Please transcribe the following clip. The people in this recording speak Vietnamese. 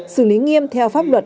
xử lý nghiêm theo pháp luật